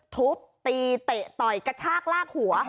ทุบตีเตะต่อยกระชากลากหัว